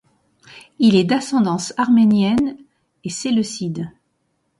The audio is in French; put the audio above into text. Il est d'ascendance arménienne et séleucide.